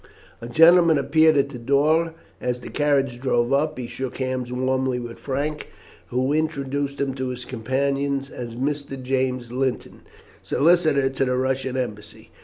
A gentleman appeared at the door as the carriage drove up. He shook hands warmly with Frank, who introduced him to his companions as Mr. James Linton, solicitor to the Russian embassy.